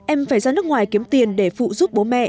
em phải ra nước ngoài kiếm tiền để phụ giúp bố mẹ